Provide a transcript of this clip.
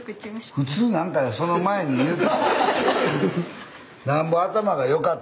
普通なんかその前に言う。